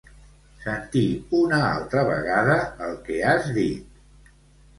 Sentir una altra vegada el que has dit.